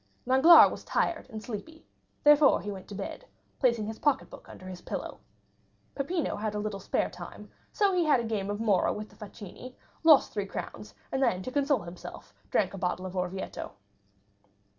Danglars was tired and sleepy; he therefore went to bed, placing his pocketbook under his pillow. Peppino had a little spare time, so he had a game of morra with the facchini, lost three crowns, and then to console himself drank a bottle of Orvieto.